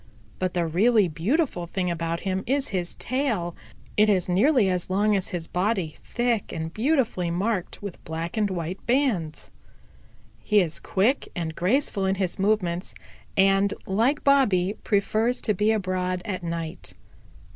But the really beautiful thing about him is his tail. It is nearly as long as his body, thick and beautifully marked with black and white bands. "He is quick and graceful in his movements, and, like Bobby, prefers to be abroad at night.